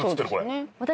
私